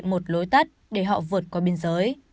một lối tắt để họ vượt qua biên giới